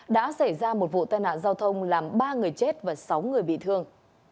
đã xảy ra một vụ tai nạn giao thông làm ba người chết và sáu người bị thương